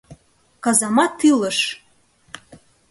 — Казамат илыш!..